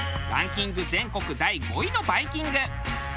ランキング全国第５位のバイキング。